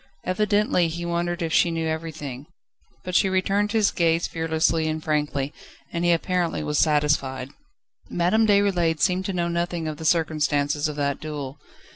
Evidently he wondered if she knew everything: but she returned his gaze fearlessly and frankly, and he apparently was satisfied. Madame Déroulède seemed to know nothing of the circumstances of that duel.